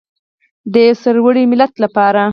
د یو سرلوړي ملت لپاره.